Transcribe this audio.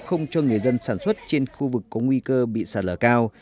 không cho người dân sản xuất trên khu vực có nguy cơ bị sạt lở cao